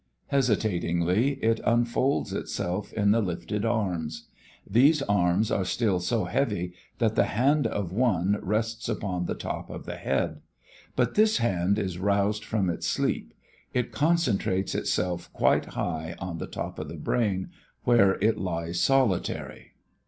Hesitatingly it unfolds itself in the lifted arms. These arms are still so heavy that the hand of one rests upon the top of the head. But this hand is roused from its sleep, it concentrates itself quite high on the top of the brain where it lies solitary.